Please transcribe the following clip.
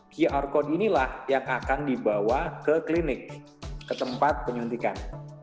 qr code inilah yang akan dibawa ke klinik ke tempat penyuntikan